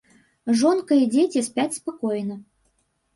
Жонка і дзеці спяць спакойна.